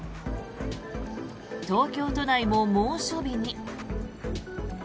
東京都内も猛暑日に。